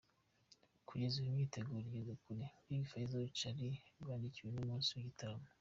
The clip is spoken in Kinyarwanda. Kugeza ubu imyiteguro igeze kure, Big Fizzona Charly batindiwe n'umunsi w'igitaramo.